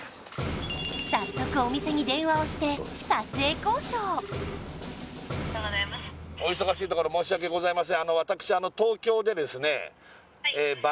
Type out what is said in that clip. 早速お店に電話をして撮影交渉申し訳ございません